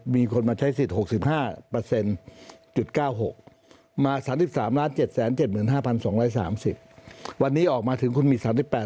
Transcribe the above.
มีคนมาใช้สิทธิ์๖๕๙๖มา๓๓๗๗๕๒๓๐วันนี้ออกมาถึงคุณมี๓๘